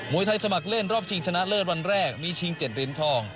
วยไทยสมัครเล่นรอบชิงชนะเลิศวันแรกมีชิง๗เหรียญทอง